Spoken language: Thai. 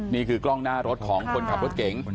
นี่คือกล้องหน้ารถของคนขับรถเก๋ง